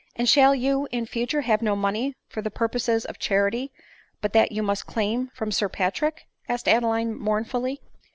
" And shall you in future have no money for the pur poses of charity but that you must claim from Sir Pat rick ?" asked Adeline mournfully.